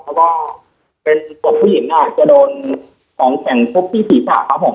แล้วก็เป็นตัวผู้หญิงน่ะจะโดนของแข่งชอบพี่ภีรษาครับผม